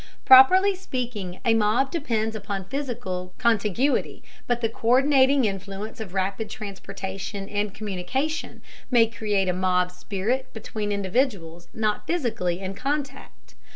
Properly speaking a mob depends upon physical contiguity, but the co÷rdinating influence of rapid transportation and communication may create a mob spirit between individuals not physically in contact.